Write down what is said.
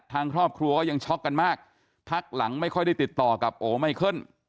ทางครอบครัวก็ยังช็อกกันมากพักหลังไม่ค่อยได้ติดต่อกับโอไมเคิล